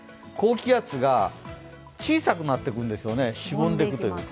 高気圧が、小さくなってくるんですよね。